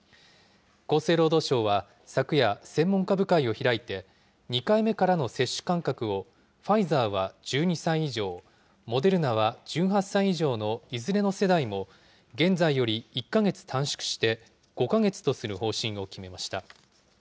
厚生労働省は昨夜、専門家部会を開いて、２回目からの接種間隔をファイザーは１２歳以上、モデルナは１８歳以上のいずれの世代も、現在より１か月短縮して、５か月とする方針を決めました。